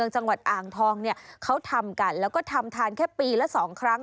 จังหวัดอ่างทองเนี่ยเขาทำกันแล้วก็ทำทานแค่ปีละ๒ครั้ง